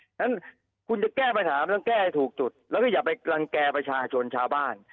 ฉะนั้นคุณจะแก้ปัญหามันต้องแก้ให้ถูกจุดแล้วก็อย่าไปรังแก่ประชาชนชาวบ้าน